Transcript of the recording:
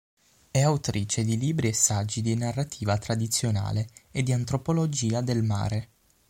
È autrice di libri e saggi di narrativa tradizionale e di antropologia del mare.